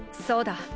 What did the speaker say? そうだ。